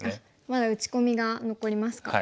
まだ打ち込みが残りますか。